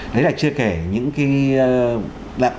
đấy là chưa kể những cái